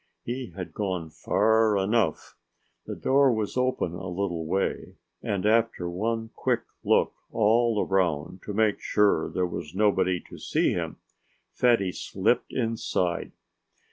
He had gone far enough. The door was open a little way. And after one quick look all around to make sure there was nobody to see him Fatty slipped inside.